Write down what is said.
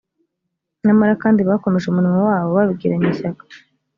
nyamara kandi bakomeje umurimo wabo babigiranye ishyaka